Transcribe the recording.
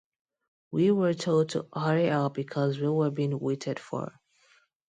We were told to hurry up because we were being waited for.